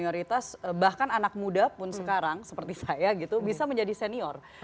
kalau bicara tentang loyalitas dan senioritas bahkan anak muda pun sekarang seperti saya gitu bisa menjadi senior